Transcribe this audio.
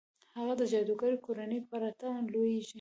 هغه د جادوګرې کورنۍ پرته لوېږي.